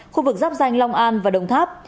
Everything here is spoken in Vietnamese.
khu vực dắp danh long an và đồng tháp